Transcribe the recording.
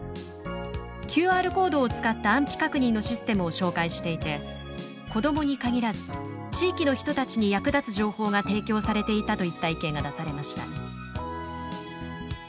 ＱＲコードを使った安否確認のシステムを紹介していて子どもに限らず地域の人たちに役立つ情報が提供されていた」といった意見が出されました。